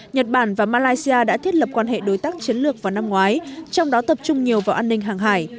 nhật bản và malaysia đã thiết lập quan hệ đối tác chiến lược vào năm ngoái trong đó tập trung nhiều vào an ninh hàng hải